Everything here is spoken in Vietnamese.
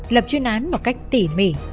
lập chuyên án một cách tỉ mỉ